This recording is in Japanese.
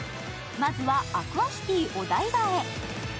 まずはアクアシティお台場へ。